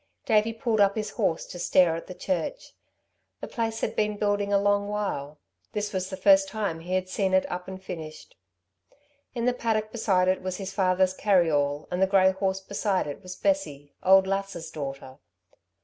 Davey pulled up his horse to stare at the church. The place had been building a long while. This was the first time he had seen it up and finished. In the paddock beside it was his father's carry all, and the grey horse beside it was Bessie, old Lass's daughter.